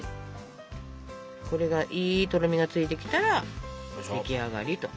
これがいいとろみがついてきたら出来上がりと。